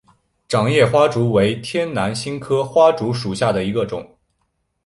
掌叶花烛为天南星科花烛属下的一个种。